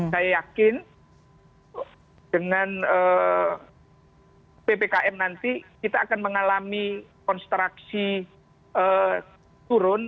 saya yakin dengan ppkm nanti kita akan mengalami konstruksi turun